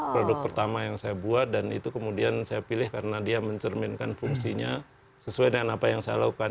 produk pertama yang saya buat dan itu kemudian saya pilih karena dia mencerminkan fungsinya sesuai dengan apa yang saya lakukan